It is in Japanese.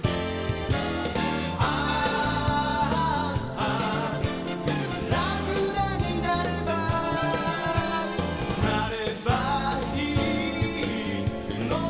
「あーラクダになればなればいいのだ」